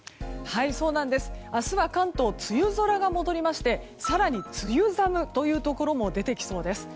明日は関東梅雨空が戻りまして更に梅雨寒というところも出てきそうです。